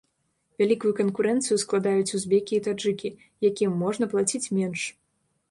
Вялікую канкурэнцыю складаюць узбекі і таджыкі, якім можна плаціць менш.